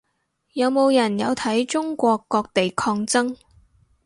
有冇人有睇中國各地抗爭